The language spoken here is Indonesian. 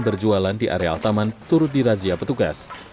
petugas mencari penyelenggaraan yang berjualan di area taman turut dirazia petugas